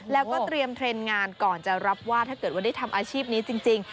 แล้วก็เตรียมเทรนด์งานก่อนจะรับว่าถ้าเกิดว่าได้ทำอาชีพนี้จริง